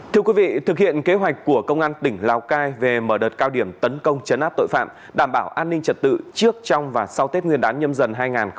thưa quý vị thực hiện kế hoạch của công an tỉnh lào cai về mở đợt cao điểm tấn công chấn áp tội phạm đảm bảo an ninh trật tự trước trong và sau tết nguyên đán nhâm dần hai nghìn hai mươi bốn